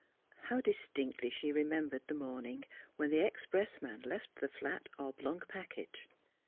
How distinctly she remembered the morning when the expressman left the flat oblong package.